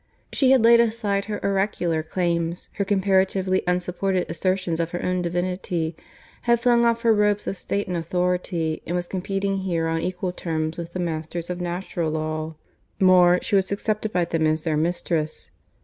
She had laid aside her oracular claims, her comparatively unsupported assertions of her own divinity; had flung off her robes of state and authority and was competing here on equal terms with the masters of natural law more, she was accepted by them as their mistress.